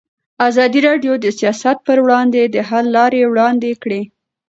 ازادي راډیو د سیاست پر وړاندې د حل لارې وړاندې کړي.